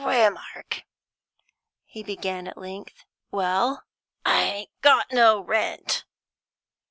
Waymark," he began at length. "Well?" "I ain't got no rent."